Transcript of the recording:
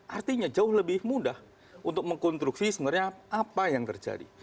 artinya jauh lebih mudah untuk mengkonstruksi sebenarnya apa yang terjadi